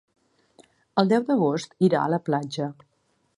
El deu d'agost irà a la platja.